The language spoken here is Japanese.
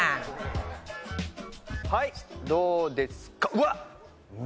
はいどうですかうわっ！